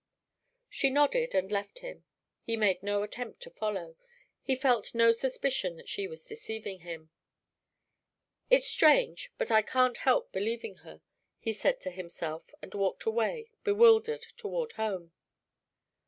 She nodded and left him. He made no attempt to follow he felt no suspicion that she was deceiving him. "It's strange, but I can't help believing her," he said to himself, and walked away, bewildered, toward home.